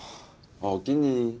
おおきに。